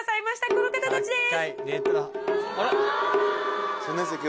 この方たちです！